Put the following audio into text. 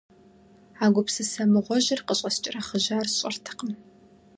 А гупсысэ мыгъуэжьыр къыщӀыскӀэрыхъыжьар сщӀэртэкъым.